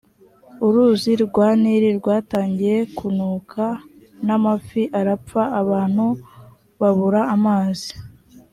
uruzi rwa nili rwatangiye kunuka n’amafi arapfa abantu babura amazi